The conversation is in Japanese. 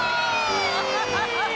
アハハハハ！